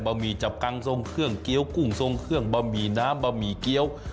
หมี่จับกังทรงเครื่องเกี้ยวกุ้งทรงเครื่องบะหมี่น้ำบะหมี่เกี้ยว